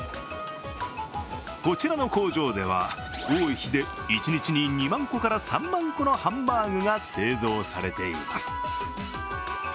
こちらの工場では、多い日で一日に２万個から３万個のハンバーグが製造されています。